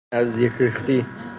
نزدیک ریختی